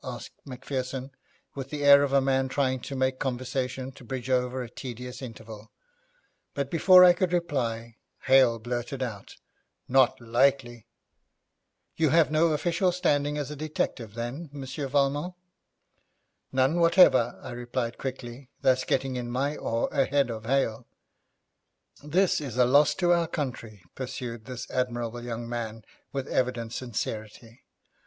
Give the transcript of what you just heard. asked Macpherson, with the air of a man trying to make conversation to bridge over a tedious interval; but before I could reply, Hale blurted out, 'Not likely!' 'You have no official standing as a detective, then, Monsieur Valmont?' 'None whatever,' I replied quickly, thus getting in my oar ahead of Hale. 'This is a loss to our country,' pursued this admirable young man, with evident sincerity.